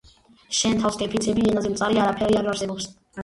შენ თავს გეფიცები ენაზე მწარი არაფერი არ არსებობს